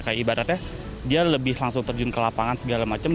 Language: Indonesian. kayak ibaratnya dia lebih langsung terjun ke lapangan segala macam